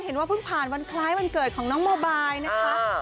เห็นว่าเพิ่งผ่านวันคล้ายวันเกิดของน้องโมบายนะคะ